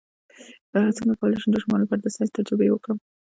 څنګه کولی شم د ماشومانو لپاره د ساینس تجربې وکړم